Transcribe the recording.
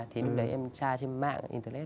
thì lúc đấy em tra trên mạng internet